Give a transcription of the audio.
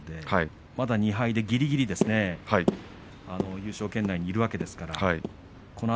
まだ２敗で、ぎりぎり優勝圏内にいるわけです。